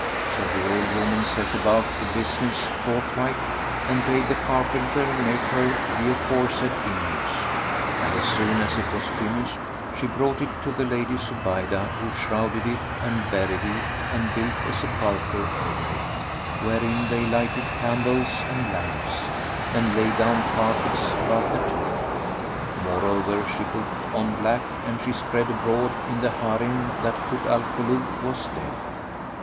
So the old woman set about the business forthright and bade the carpenter make her the aforesaid image; and, as soon as it was finished, she brought it to the Lady Zubaydah, who shrouded it and buried it and built a sepulchre over it, wherein they lighted candles and lamps, and laid down carpets about the tomb. Moreover she put on black and she spread abroad in the Harim that Kut al Kulub was dead.